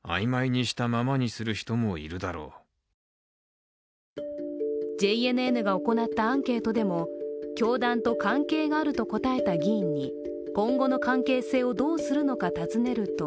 自民党内からはこんな声もＪＮＮが行ったアンケートでも教団と関係があると答えた議員に今後の関係性をどうするのか尋ねると